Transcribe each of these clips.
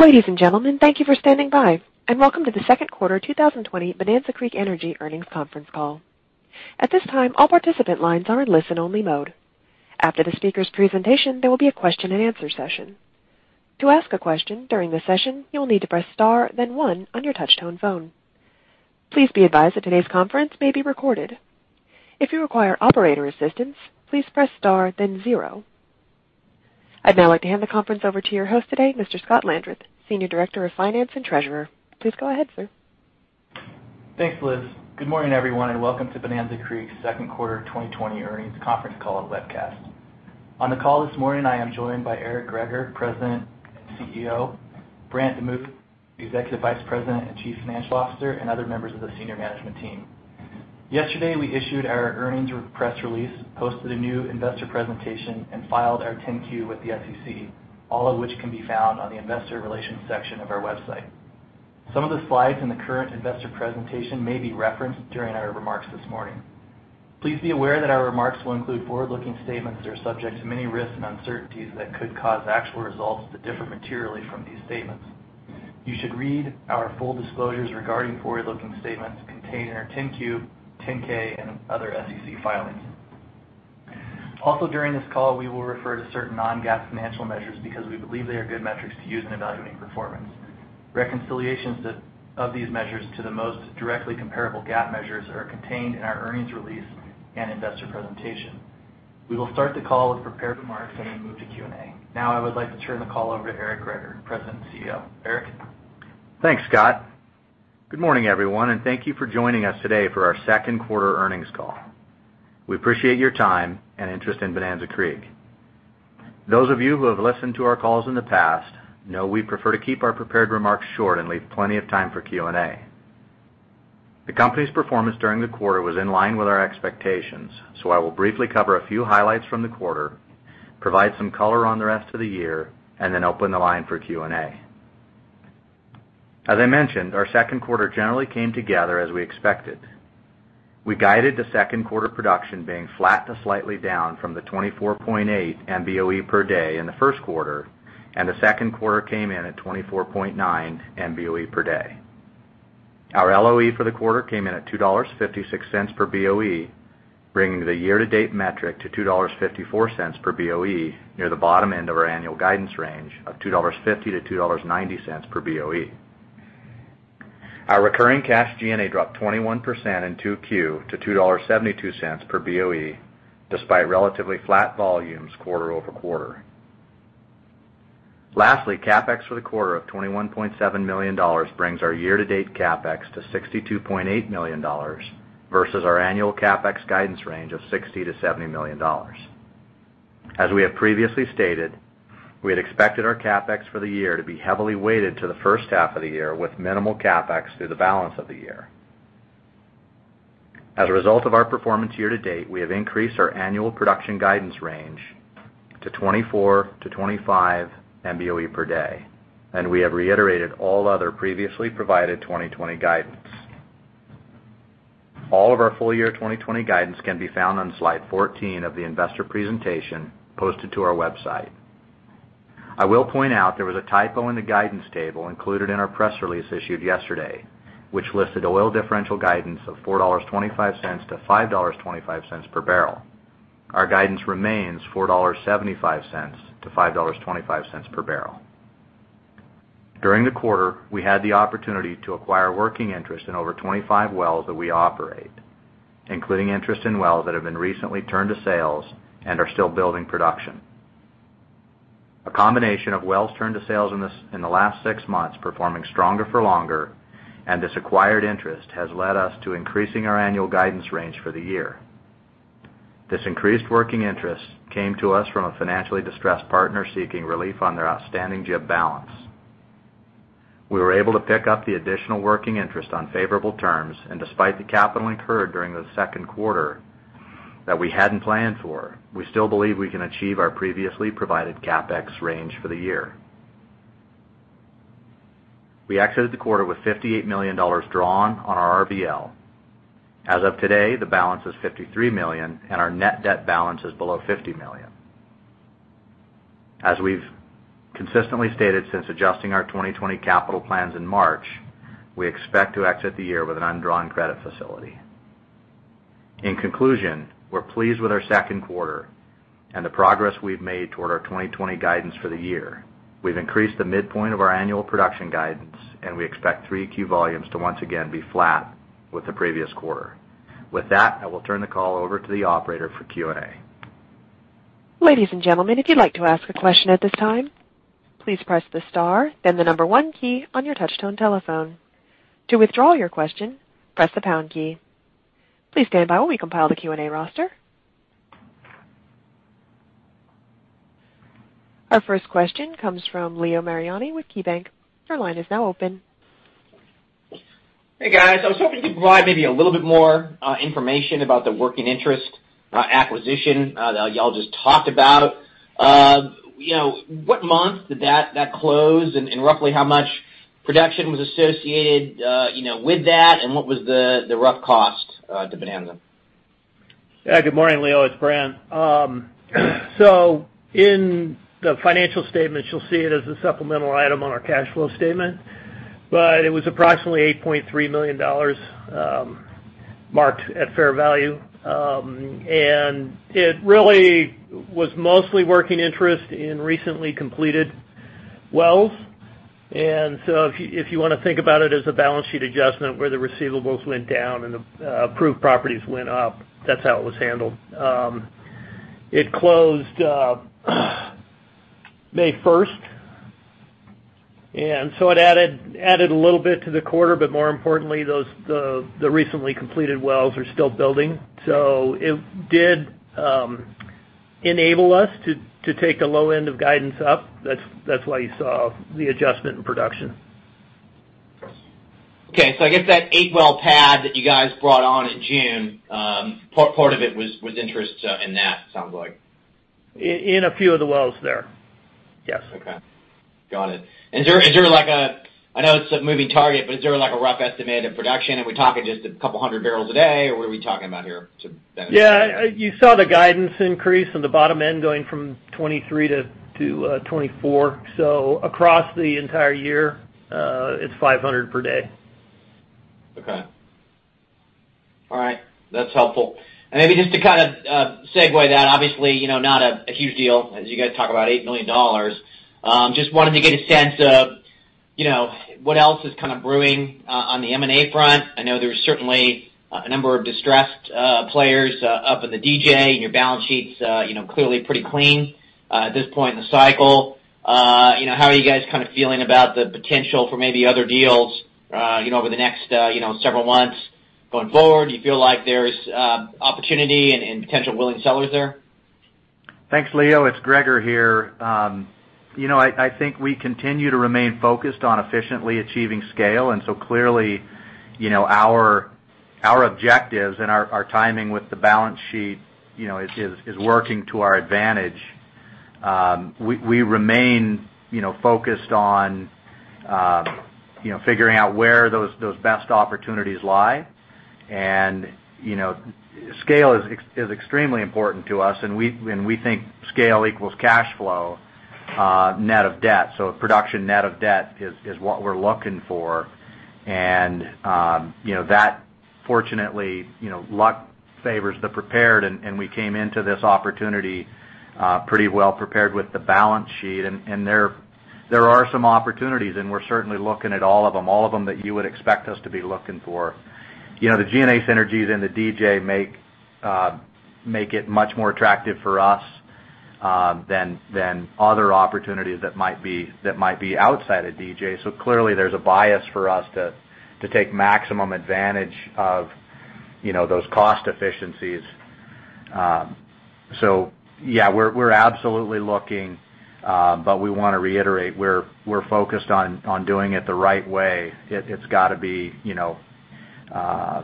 Ladies and gentlemen, thank you for standing by, and welcome to the second quarter 2020 Bonanza Creek Energy Earnings Conference Call. At this time, all participant lines are in listen-only mode. After the speakers' presentation, there will be a question-and-answer session. To ask a question during the session, you'll need to press star then one on your touch-tone phone. Please be advised that today's conference may be recorded. If you require operator assistance, please press star then zero. I'd now like to hand the conference over to your host today, Mr. Scott Landreth, Senior Director of Finance and Treasurer. Please go ahead, sir. Thanks, Liz. Good morning, everyone, and welcome to Bonanza Creek's second quarter 2020 earnings conference call and webcast. On the call this morning, I am joined by Eric Greager, President and CEO, Brant DeMuth, Executive Vice President and Chief Financial Officer, and other members of the senior management team. Yesterday, we issued our earnings press release, posted a new investor presentation, and filed our 10-Q with the SEC, all of which can be found on the investor relations section of our website. Some of the slides in the current investor presentation may be referenced during our remarks this morning. Please be aware that our remarks will include forward-looking statements that are subject to many risks and uncertainties that could cause actual results to differ materially from these statements. You should read our full disclosures regarding forward-looking statements contained in our 10-Q, 10-K, and other SEC filings. During this call, we will refer to certain non-GAAP financial measures because we believe they are good metrics to use in evaluating performance. Reconciliations of these measures to the most directly comparable GAAP measures are contained in our earnings release and investor presentation. We will start the call with prepared remarks, then we'll move to Q&A. I would like to turn the call over to Eric Greager, President and CEO. Eric? Thanks, Scott. Good morning, everyone, and thank you for joining us today for our second quarter earnings call. We appreciate your time and interest in Bonanza Creek. Those of you who have listened to our calls in the past know we prefer to keep our prepared remarks short and leave plenty of time for Q&A. The company's performance during the quarter was in line with our expectations, so I will briefly cover a few highlights from the quarter, provide some color on the rest of the year, and then open the line for Q&A. As I mentioned, our second quarter generally came together as we expected. We guided the second quarter production being flat to slightly down from the 24.8 MBOE per day in the first quarter, and the second quarter came in at 24.9 MBOE per day. Our LOE for the quarter came in at $2.56 per BOE, bringing the year-to-date metric to $2.54 per BOE, near the bottom end of our annual guidance range of $2.50-$2.90 per BOE. Our recurring cash G&A dropped 21% in 2Q to $2.72 per BOE, despite relatively flat volumes quarter-over-quarter. Lastly, CapEx for the quarter of $21.7 million brings our year-to-date CapEx to $62.8 million versus our annual CapEx guidance range of $60 million-$70 million. As we have previously stated, we had expected our CapEx for the year to be heavily weighted to the first half of the year with minimal CapEx through the balance of the year. As a result of our performance year-to-date, we have increased our annual production guidance range to 24-25 MBOE per day, and we have reiterated all other previously provided 2020 guidance. All of our full year 2020 guidance can be found on slide 14 of the investor presentation posted to our website. I will point out there was a typo in the guidance table included in our press release issued yesterday, which listed oil differential guidance of $4.25-$5.25 per barrel. Our guidance remains $4.75-$5.25 per barrel. During the quarter, we had the opportunity to acquire working interest in over 25 wells that we operate, including interest in wells that have been recently turned to sales and are still building production. A combination of wells turned to sales in the last six months performing stronger for longer and this acquired interest has led us to increasing our annual guidance range for the year. This increased working interest came to us from a financially distressed partner seeking relief on their outstanding JIB balance. We were able to pick up the additional working interest on favorable terms, and despite the capital incurred during the second quarter that we hadn't planned for, we still believe we can achieve our previously provided CapEx range for the year. We exited the quarter with $58 million drawn on our RBL. As of today, the balance is $53 million, and our net debt balance is below $50 million. As we've consistently stated since adjusting our 2020 capital plans in March, we expect to exit the year with an undrawn credit facility. In conclusion, we're pleased with our second quarter and the progress we've made toward our 2020 guidance for the year. We've increased the midpoint of our annual production guidance, and we expect 3Q volumes to once again be flat with the previous quarter. With that, I will turn the call over to the Operator for Q&A. Our first question comes from Leo Mariani with KeyBanc. Your line is now open. Hey, guys. I was hoping you could provide maybe a little bit more information about the working interest acquisition that y'all just talked about. What month did that close, and roughly how much production was associated with that, and what was the rough cost to Bonanza? Good morning, Leo. It's Brant. In the financial statements, you'll see it as a supplemental item on our cash flow statement, but it was approximately $8.3 million marked at fair value. It really was mostly working interest in recently completed wells. If you want to think about it as a balance sheet adjustment where the receivables went down and the approved properties went up, that's how it was handled. It closed, May 1st, it added a little bit to the quarter, but more importantly, the recently completed wells are still building. It did enable us to take the low end of guidance up. That's why you saw the adjustment in production. Okay. I guess that eight-well pad that you guys brought on in June, part of it was interest in that, sounds like. In a few of the wells there. Yes. Okay. Got it. I know it's a moving target, but is there a rough estimate of production? Are we talking just a couple of hundred barrels a day, or what are we talking about here? Yeah. You saw the guidance increase on the bottom end going from 23 to 24. Across the entire year, it's 500 per day. Okay. All right. That's helpful. Maybe just to segue that, obviously, not a huge deal as you guys talk about $8 million. Just wanted to get a sense of what else is brewing on the M&A front. I know there's certainly a number of distressed players up in the DJ and your balance sheet's clearly pretty clean at this point in the cycle. How are you guys feeling about the potential for maybe other deals over the next several months going forward? Do you feel like there's opportunity and potential willing sellers there? Thanks, Leo. It's Greager here. I think we continue to remain focused on efficiently achieving scale. Clearly, our objectives and our timing with the balance sheet is working to our advantage. We remain focused on figuring out where those best opportunities lie. Scale is extremely important to us, and we think scale equals cash flow net of debt. Production net of debt is what we're looking for. That fortunately, luck favors the prepared, and we came into this opportunity pretty well prepared with the balance sheet. There are some opportunities, and we're certainly looking at all of them. All of them that you would expect us to be looking for. The G&A synergies and the DJ make it much more attractive for us than other opportunities that might be outside of DJ. Clearly, there's a bias for us to take maximum advantage of those cost efficiencies. Yeah, we're absolutely looking, but we want to reiterate, we're focused on doing it the right way. It's got to be a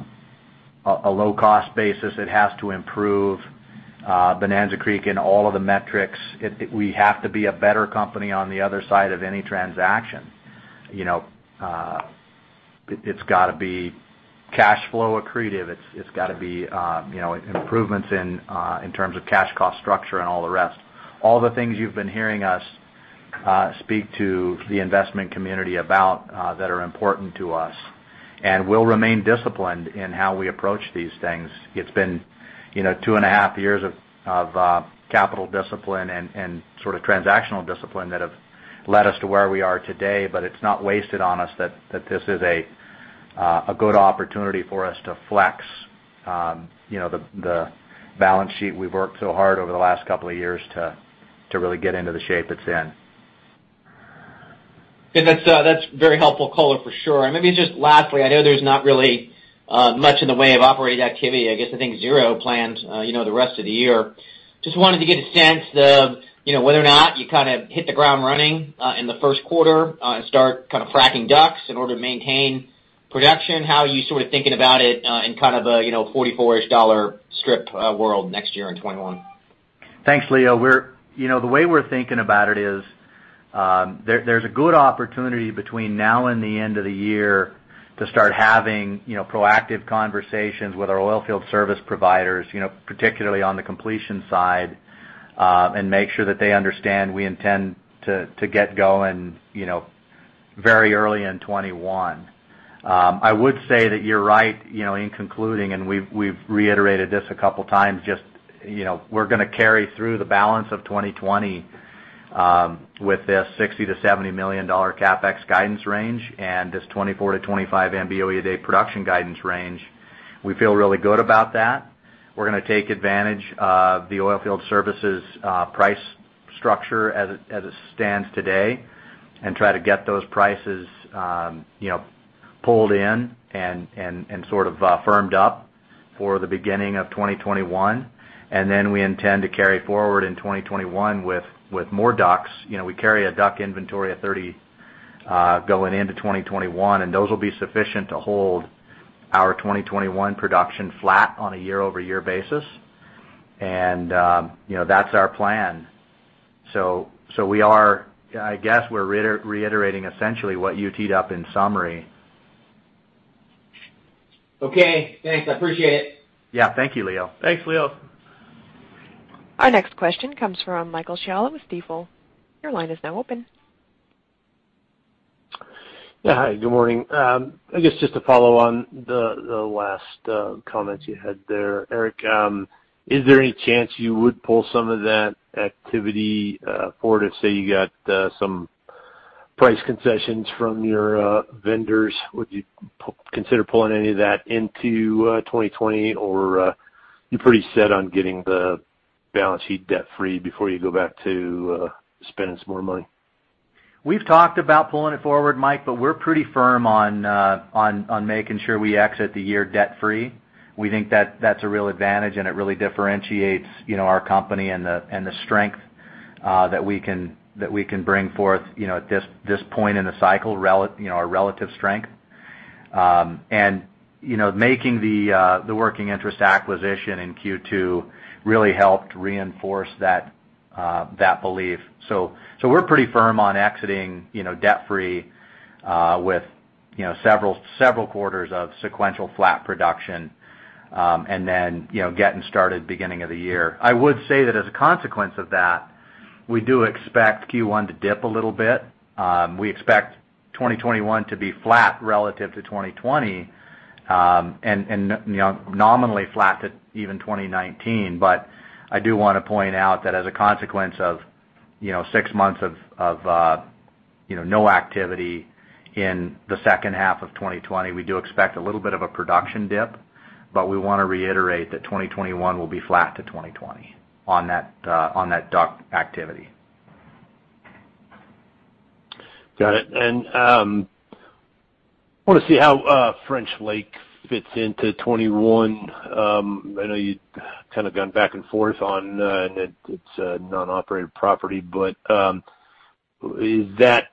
low-cost basis. It has to improve Bonanza Creek in all of the metrics. We have to be a better company on the other side of any transaction. It's got to be cash flow accretive. It's got to be improvements in terms of cash cost structure and all the rest. All the things you've been hearing us speak to the investment community about that are important to us, and we'll remain disciplined in how we approach these things. It's been two and a half years of capital discipline and transactional discipline that have led us to where we are today, but it's not wasted on us that this is a good opportunity for us to flex the balance sheet we've worked so hard over the last couple of years to really get into the shape it's in. That's very helpful color for sure. Maybe just lastly, I know there's not really much in the way of operating activity. I guess, I think zero plans the rest of the year. Just wanted to get a sense of whether or not you hit the ground running in the first quarter and start fracking DUCs in order to maintain production. How are you thinking about it in a $44-ish strip world next year in 2021? Thanks, Leo. The way we're thinking about it is, there's a good opportunity between now and the end of the year to start having proactive conversations with our oil field service providers, particularly on the completion side, and make sure that they understand we intend to get going very early in 2021. I would say that you're right in concluding, and we've reiterated this a couple of times, just we're going to carry through the balance of 2020 with this $60 million-$70 million CapEx guidance range and this 24 to 25 MBOE a day production guidance range. We feel really good about that. We're going to take advantage of the oil field services price structure as it stands today and try to get those prices pulled in and firmed up for the beginning of 2021. We intend to carry forward in 2021 with more DUCs. We carry a DUC inventory of 30 going into 2021. Those will be sufficient to hold our 2021 production flat on a year-over-year basis. That's our plan. I guess we're reiterating essentially what you teed up in summary. Okay. Thanks. I appreciate it. Yeah. Thank you, Leo. Thanks, Leo. Our next question comes from Michael Scialla with Stifel. Your line is now open. Yeah. Hi, good morning. I guess just to follow on the last comment you had there, Eric. Is there any chance you would pull some of that activity forward if, say, you got some price concessions from your vendors? Would you consider pulling any of that into 2020, or are you pretty set on getting the balance sheet debt-free before you go back to spending some more money? We've talked about pulling it forward, Mike, but we're pretty firm on making sure we exit the year debt-free. We think that's a real advantage, and it really differentiates our company and the strength that we can bring forth at this point in the cycle, our relative strength. Making the working interest acquisition in Q2 really helped reinforce that belief. We're pretty firm on exiting debt-free with several quarters of sequential flat production, and then getting started beginning of the year. I would say that as a consequence of that, we do expect Q1 to dip a little bit. We expect 2021 to be flat relative to 2020, and nominally flat to even 2019. I do want to point out that as a consequence of six months of no activity in the second half of 2020, we do expect a little bit of a production dip, but we want to reiterate that 2021 will be flat to 2020 on that DUC activity. Got it. I want to see how French Lake fits into 2021. I know you've kind of gone back and forth on it. It's a non-operated property, but is that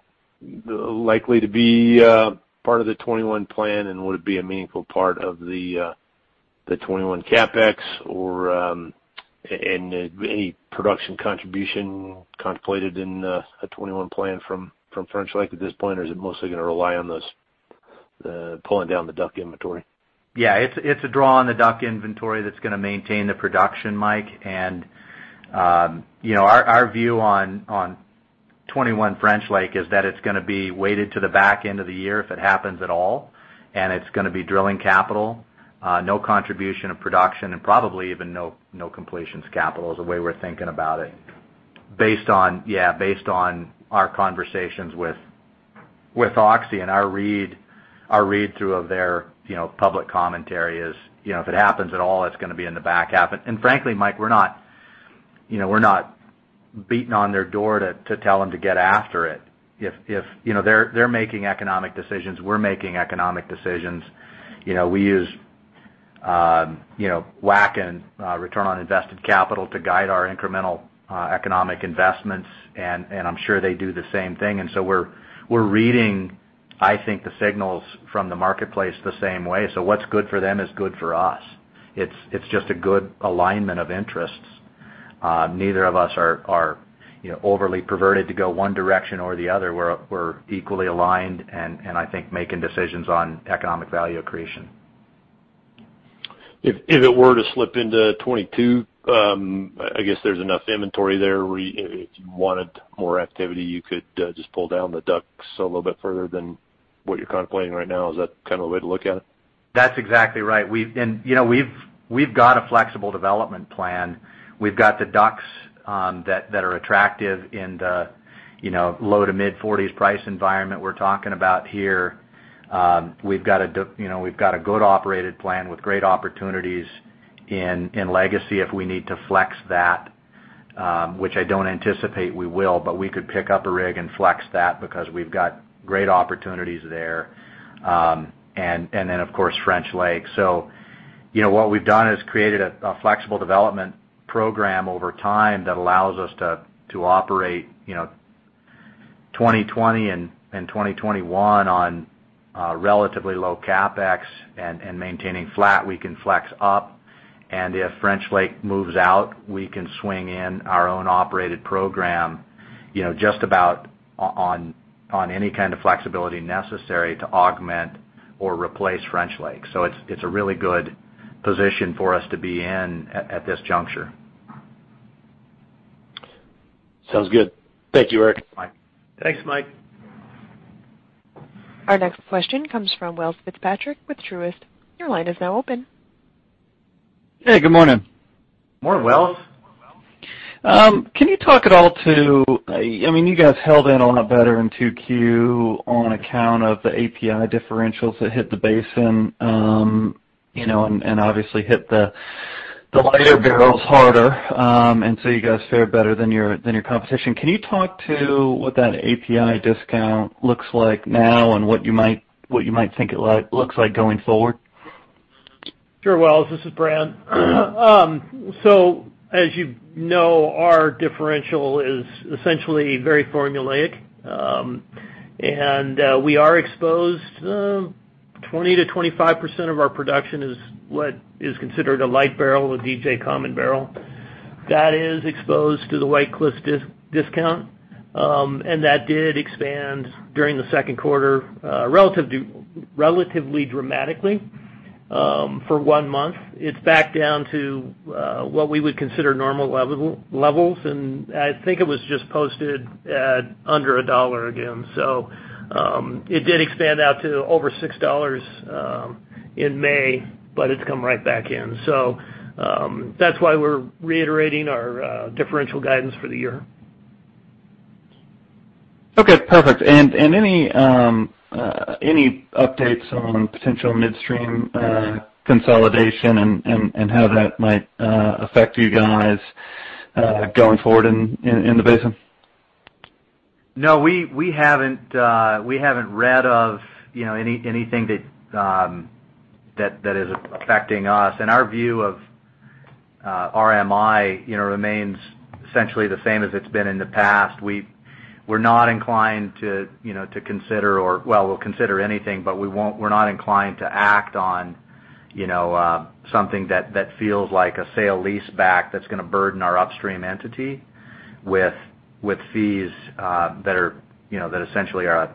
likely to be part of the 2021 plan, and would it be a meaningful part of the 2021 CapEx? Any production contribution contemplated in a 2021 plan from French Lake at this point, or is it mostly going to rely on pulling down the DUC inventory? Yeah, it's a draw on the DUC inventory that's going to maintain the production, Mike. Our view on 2021 French Lake is that it's going to be weighted to the back end of the year if it happens at all, and it's going to be drilling capital. No contribution of production and probably even no completions capital is the way we're thinking about it. Based on our conversations with Oxy and our read-through of their public commentary is, if it happens at all, it's going to be in the back half. Frankly, Mike, we're not beating on their door to tell them to get after it. They're making economic decisions. We're making economic decisions. We use WACC and return on invested capital to guide our incremental economic investments, and I'm sure they do the same thing. We're reading, I think, the signals from the marketplace the same way. What's good for them is good for us. It's just a good alignment of interests. Neither of us are overly perverted to go one direction or the other. We're equally aligned and I think making decisions on economic value creation. If it were to slip into 2022, I guess there's enough inventory there if you wanted more activity, you could just pull down the DUCs a little bit further than what you're contemplating right now. Is that kind of the way to look at it? That's exactly right. We've got a flexible development plan. We've got the DUCs that are attractive in the low to mid-40s price environment we're talking about here. We've got a good operated plan with great opportunities in legacy if we need to flex that, which I don't anticipate we will, but we could pick up a rig and flex that because we've got great opportunities there. Of course, French Lake. What we've done is created a flexible development program over time that allows us to operate 2020 and 2021 on relatively low CapEx and maintaining flat. We can flex up, and if French Lake moves out, we can swing in our own operated program just about on any kind of flexibility necessary to augment or replace French Lake. It's a really good position for us to be in at this juncture. Sounds good. Thank you, Eric. Bye. Thanks, Mike. Our next question comes from Welles Fitzpatrick with Truist. Your line is now open. Hey, good morning. Good morning, Welles. Can you talk at all to You guys held in a lot better in 2Q on account of the API differentials that hit the basin, and obviously hit the lighter barrels harder, and so you guys fared better than your competition? Can you talk to what that API discount looks like now and what you might think it looks like going forward? Sure, Welles. This is Brad. As you know, our differential is essentially very formulaic. We are exposed, 20%-25% of our production is what is considered a light barrel, a DJ common barrel. That is exposed to the White Cliffs discount. That did expand during the second quarter, relatively dramatically for one month. It's back down to what we would consider normal levels. I think it was just posted at under $1 again. It did expand out to over $6 in May, but it's come right back in. That's why we're reiterating our differential guidance for the year. Okay, perfect. Any updates on potential midstream consolidation and how that might affect you guys, going forward in the basin? No, we haven't read of anything that is affecting us. Our view of RMI remains essentially the same as it's been in the past. We're not inclined to consider or well, we'll consider anything, but we're not inclined to act on something that feels like a sale-leaseback that's going to burden our upstream entity with fees that essentially are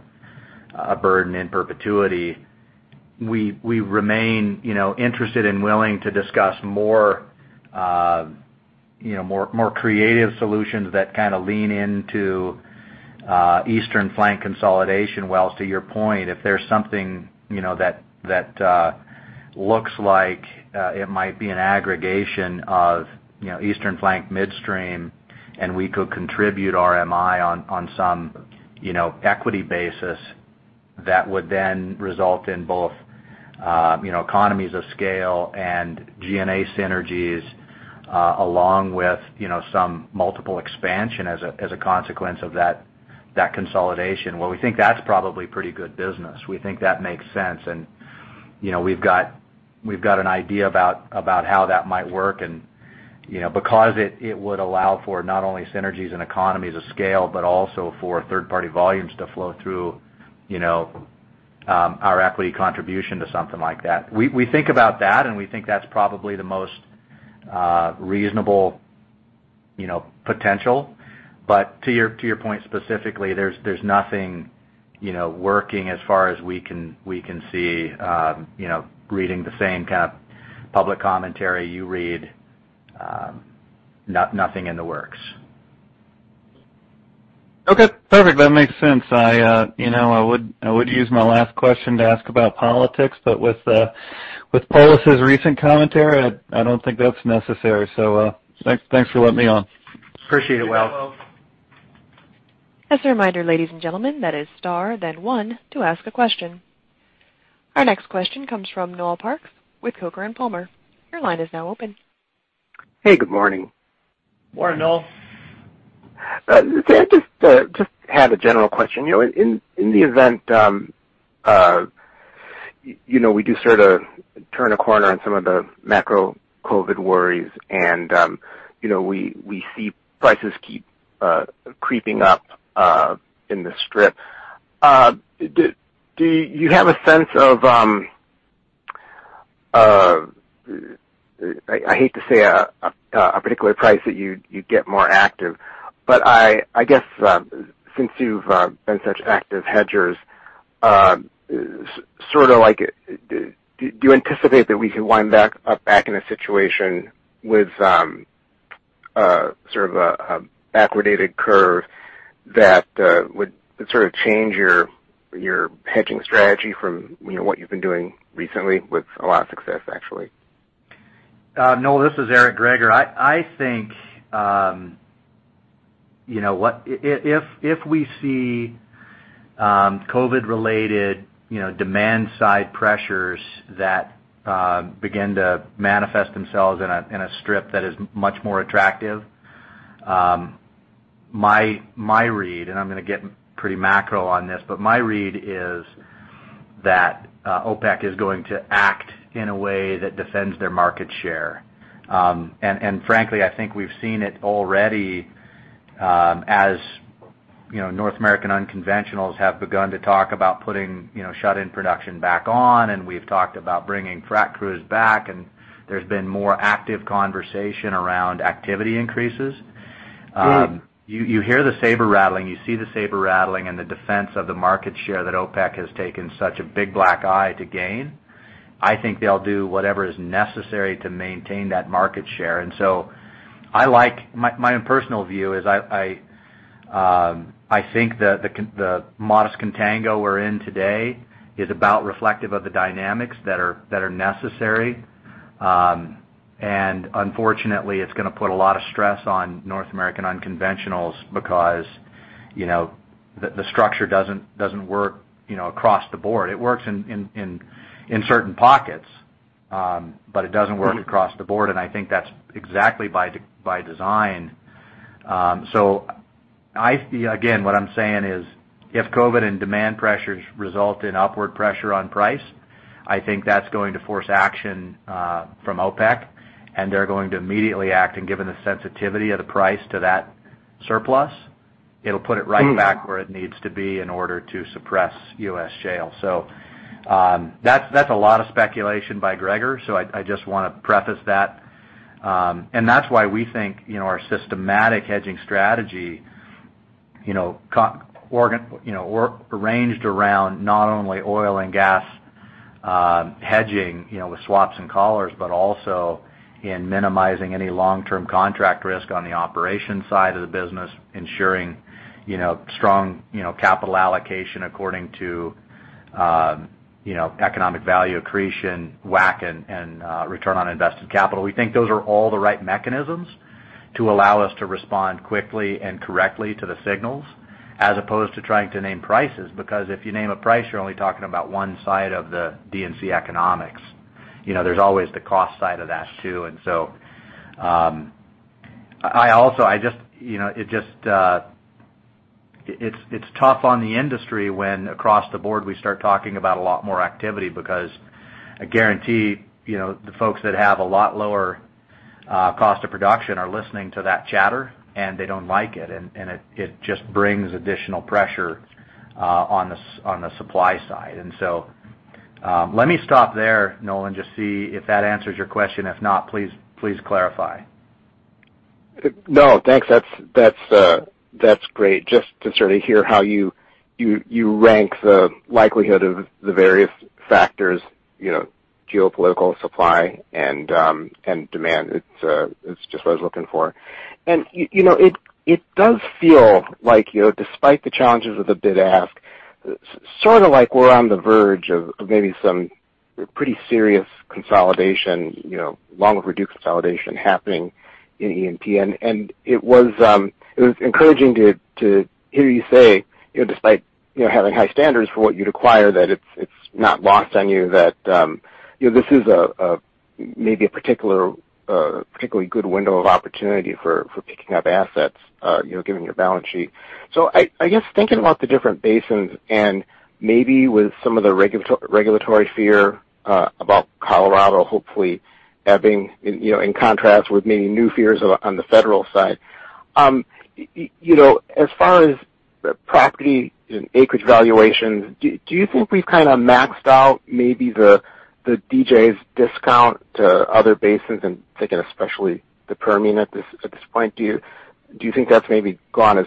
a burden in perpetuity. We remain interested and willing to discuss more creative solutions that kind of lean into eastern flank consolidation. To your point, if there's something that looks like it might be an aggregation of eastern flank midstream, and we could contribute RMI on some equity basis, that would then result in both economies of scale and G&A synergies, along with some multiple expansion as a consequence of that consolidation. We think that's probably pretty good business. We think that makes sense. We've got an idea about how that might work and because it would allow for not only synergies and economies of scale, but also for third-party volumes to flow through our equity contribution to something like that. We think about that, and we think that's probably the most reasonable potential. To your point specifically, there's nothing working as far as we can see, reading the same kind of public commentary you read. Nothing in the works. Okay, perfect. That makes sense. I would use my last question to ask about politics, but with Polis's recent commentary, I don't think that's necessary. Thanks for letting me on. Appreciate it, Will. As a reminder, ladies and gentlemen, that is star then one to ask a question. Our next question comes from Noel Parks with Coker & Palmer. Your line is now open. Hey, good morning. Morning, Noel. Just had a general question. In the event, we do sort of turn a corner on some of the macro COVID worries and we see prices keep creeping up in the strip. Do you have a sense of, I hate to say a particular price that you'd get more active, but I guess, since you've been such active hedgers, do you anticipate that we could wind back up back in a situation with sort of a backwardated curve that would sort of change your hedging strategy from what you've been doing recently with a lot of success, actually? Noel, this is Eric Greager. I think, if we see COVID-related demand-side pressures that begin to manifest themselves in a strip that is much more attractive. My read, and I'm going to get pretty macro on this, but my read is that OPEC is going to act in a way that defends their market share. Frankly, I think we've seen it already, as North American unconventionals have begun to talk about putting shut-in production back on, and we've talked about bringing frac crews back, and there's been more active conversation around activity increases. You hear the saber rattling, you see the saber rattling, and the defense of the market share that OPEC has taken such a big black eye to gain. I think they'll do whatever is necessary to maintain that market share. My own personal view is, I think the modest contango we're in today is about reflective of the dynamics that are necessary. Unfortunately, it's going to put a lot of stress on North American unconventionals because the structure doesn't work across the board. It works in certain pockets, but it doesn't work across the board. I think that's exactly by design. Again, what I'm saying is if COVID and demand pressures result in upward pressure on price, I think that's going to force action from OPEC, and they're going to immediately act. Given the sensitivity of the price to that surplus. It'll put it right back where it needs to be in order to suppress U.S. shale. That's a lot of speculation by Greager, I just want to preface that. That's why we think our systematic hedging strategy arranged around not only oil and gas hedging with swaps and collars, but also in minimizing any long-term contract risk on the operations side of the business, ensuring strong capital allocation according to economic value accretion, WACC, and return on invested capital. We think those are all the right mechanisms to allow us to respond quickly and correctly to the signals, as opposed to trying to name prices. Because if you name a price, you're only talking about one side of the D&C economics. There's always the cost side of that, too. It's tough on the industry when across the board, we start talking about a lot more activity, because I guarantee, the folks that have a lot lower cost of production are listening to that chatter, and they don't like it, and it just brings additional pressure on the supply side. Let me stop there, Noel, just see if that answers your question. If not, please clarify. No, thanks. That's great just to sort of hear how you rank the likelihood of the various factors, geopolitical supply and demand. It's just what I was looking for. It does feel like despite the challenges of the bid-ask, sort of like we're on the verge of maybe some pretty serious consolidation, long overdue consolidation happening in E&P. It was encouraging to hear you say, despite having high standards for what you'd acquire, that it's not lost on you that this is maybe a particularly good window of opportunity for picking up assets, given your balance sheet. I guess thinking about the different basins and maybe with some of the regulatory fear about Colorado hopefully ebbing, in contrast with maybe new fears on the federal side. As far as property and acreage valuations, do you think we've maxed out maybe the DJ's discount to other basins and thinking especially the Permian at this point? Do you think that's maybe gone as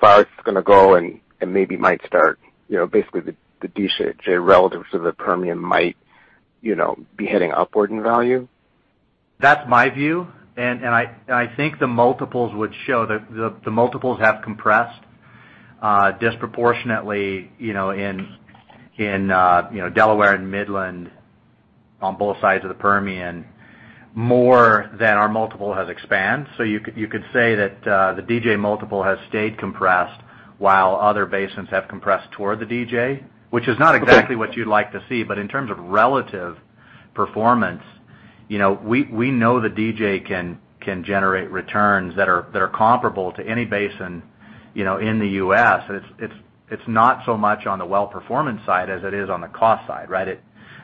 far as it's going to go and maybe might start, basically the DJ relative to the Permian might be heading upward in value? That's my view, and I think the multiples would show. The multiples have compressed disproportionately in Delaware and Midland on both sides of the Permian, more than our multiple has expanded. You could say that the DJ multiple has stayed compressed while other basins have compressed toward the DJ, which is not exactly what you'd like to see. In terms of relative performance, we know the DJ can generate returns that are comparable to any basin in the U.S. It's not so much on the well performance side as it is on the cost side, right?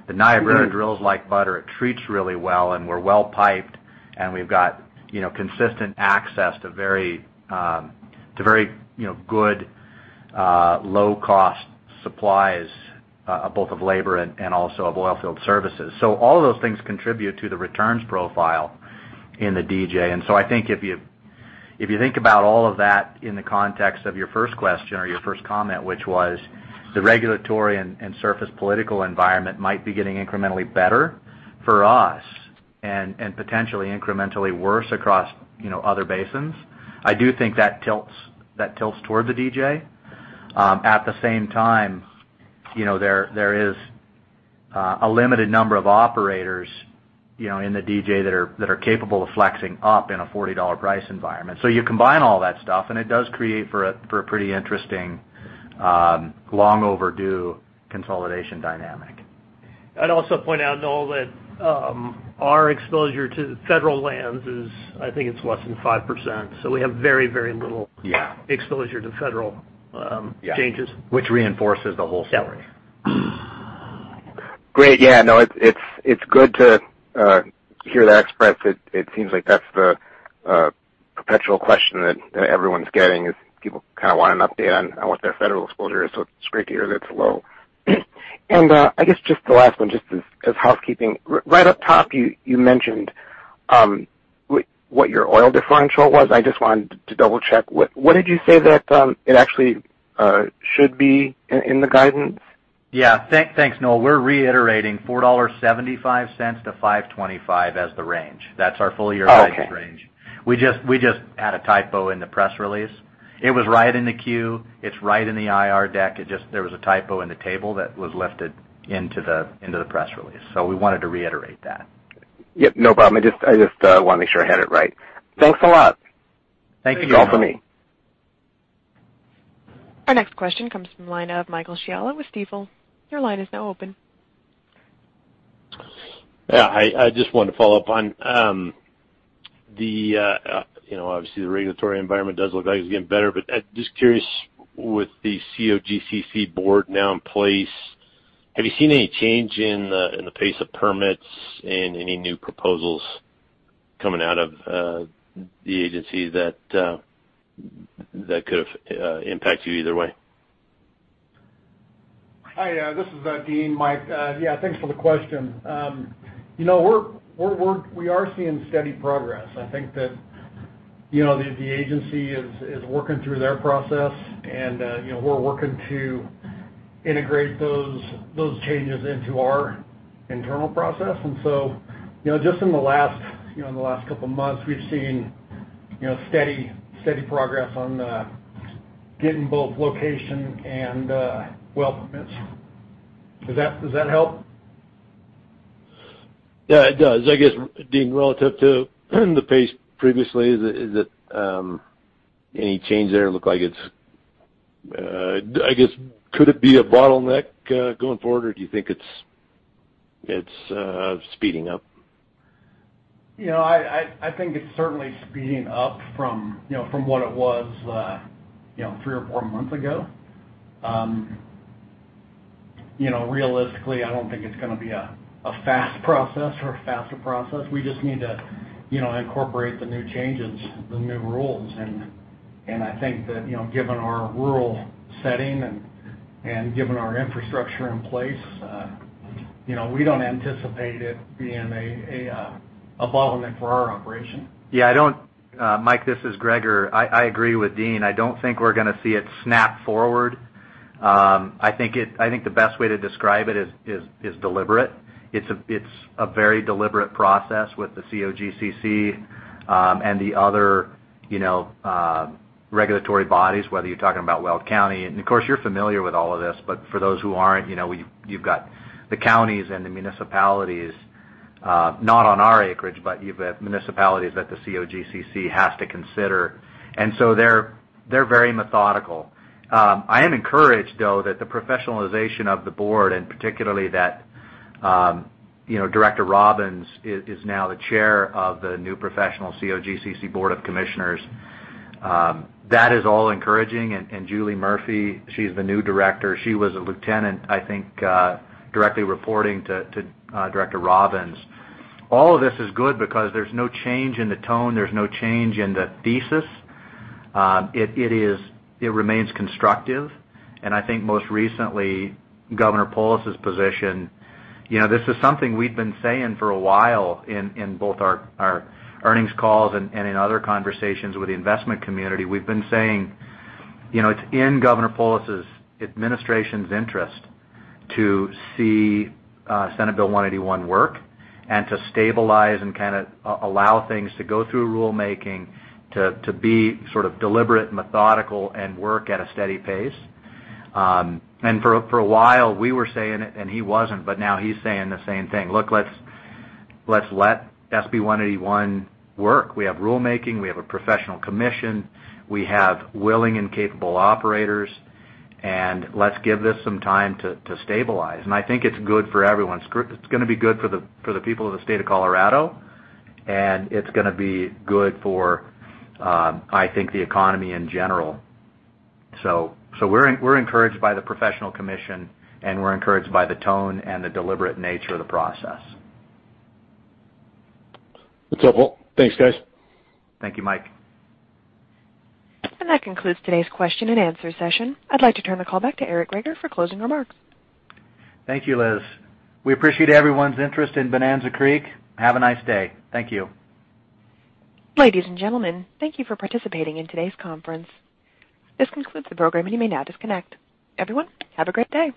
The Niobrara drills like butter. It treats really well, and we're well piped, and we've got consistent access to very good low-cost supplies, both of labor and also of oil field services. All of those things contribute to the returns profile in the DJ. I think if you think about all of that in the context of your first question or your first comment, which was the regulatory and surface political environment might be getting incrementally better for us and potentially incrementally worse across other basins. I do think that tilts toward the DJ. At the same time, there is a limited number of operators in the DJ that are capable of flexing up in a $40 price environment. You combine all that stuff, and it does create for a pretty interesting, long overdue consolidation dynamic. I'd also point out, Noel, that our exposure to federal lands is, I think it's less than 5%. Yeah exposure to federal changes. Which reinforces the whole story. Yeah. Great. No, it's good to hear that expressed. It seems like that's the perpetual question that everyone's getting, is people want an update on what their federal exposure is. It's great to hear that it's low. I guess just the last one, just as housekeeping. Right up top, you mentioned what your oil differential was. I just wanted to double-check. What did you say that it actually should be in the guidance? Yeah. Thanks, Noel. We're reiterating $4.75-$5.25 as the range. That's our full year guidance range. Okay. We just had a typo in the press release. It was right in the Q, it's right in the IR deck. There was a typo in the table that was lifted into the press release. We wanted to reiterate that. Yep, no problem. I just want to make sure I had it right. Thanks a lot. Thank you, Noel. It's all for me. Our next question comes from the line of Michael Scialla with Stifel. Your line is now open. Yeah. I just wanted to follow up on obviously the regulatory environment does look like it's getting better. Just curious, with the COGCC board now in place, have you seen any change in the pace of permits and any new proposals coming out of the agency that could have impact you either way? Hi, this is Dean, Mike. Yeah, thanks for the question. We are seeing steady progress. I think that the agency is working through their process, and we're working to integrate those changes into our internal process. Just in the last couple of months, we've seen steady progress on getting both location and well permits. Does that help? Yeah, it does. I guess, Dean, relative to the pace previously, any change there I guess could it be a bottleneck going forward, or do you think it's speeding up? I think it's certainly speeding up from what it was three or four months ago. Realistically, I don't think it's going to be a fast process or a faster process. We just need to incorporate the new changes, the new rules, and I think that given our rural setting and given our infrastructure in place, we don't anticipate it being a bottleneck for our operation. Yeah, Mike, this is Greager. I agree with Dean. I don't think we're going to see it snap forward. I think the best way to describe it is deliberate. It's a very deliberate process with the COGCC, and the other regulatory bodies, whether you're talking about Weld County, and of course, you're familiar with all of this, but for those who aren't, you've got the counties and the municipalities, not on our acreage, but municipalities that the COGCC has to consider, and so they're very methodical. I am encouraged, though, that the professionalization of the board, and particularly that Director Robbins is now the chair of the new professional COGCC Board of Commissioners. That is all encouraging, and Julie Murphy, she's the new Director. She was a lieutenant, I think, directly reporting to Director Robbins. All of this is good because there's no change in the tone, there's no change in the thesis. It remains constructive, and I think most recently, Governor Polis's position. This is something we've been saying for a while in both our earnings calls and in other conversations with the investment community. We've been saying it's in Governor Polis's administration's interest to see Senate Bill 19-181 work and to stabilize and kind of allow things to go through rulemaking to be sort of deliberate, methodical, and work at a steady pace. For a while, we were saying it, and he wasn't, but now he's saying the same thing. Look, let's let SB 19-181 work. We have rulemaking. We have a professional commission. We have willing and capable operators. Let's give this some time to stabilize. I think it's good for everyone. It's going to be good for the people of the state of Colorado, and it's going to be good for, I think, the economy in general. We're encouraged by the professional commission, and we're encouraged by the tone and the deliberate nature of the process. That's helpful. Thanks, guys. Thank you, Mike. That concludes today's question-and-answer session. I'd like to turn the call back to Eric Greager for closing remarks. Thank you, Liz. We appreciate everyone's interest in Bonanza Creek. Have a nice day. Thank you. Ladies and gentlemen, thank you for participating in today's conference. This concludes the program, and you may now disconnect. Everyone, have a great day.